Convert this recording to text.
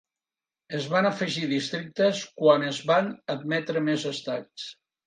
Es van afegir districtes quan es van admetre més estats.